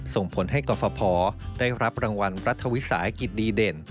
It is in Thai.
ส่งผลให้กรฟภได้รับรางวัลรัฐวิสาหกิจดีเด่น